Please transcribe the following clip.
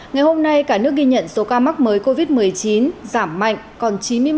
ngày hôm nay cả nước ghi nhận số ca mắc mới covid một mươi chín giảm mạnh còn chín mươi một chín trăm một mươi sáu ca